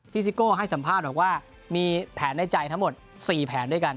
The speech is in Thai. ซิโก้ให้สัมภาษณ์บอกว่ามีแผนในใจทั้งหมด๔แผนด้วยกัน